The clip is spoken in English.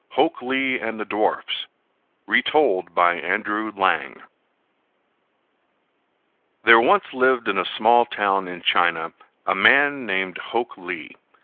HOK LEE AND THE DWARFS Retold by Andrew Lang There once lived in a small town in China a man named Hok Lee.